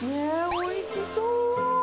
おいしそう！